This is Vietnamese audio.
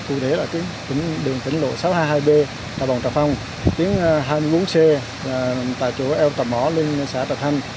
cụ thể là tuyến đường tỉnh lộ sáu trăm hai mươi hai b trà bồng trà phong tuyến hai mươi bốn c tại chỗ eo tà mỏ lên xã trà thanh